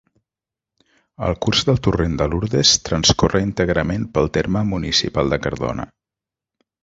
El curs del Torrent de Lurdes transcorre íntegrament pel terme municipal de Cardona.